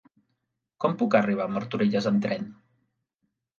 Com puc arribar a Martorelles amb tren?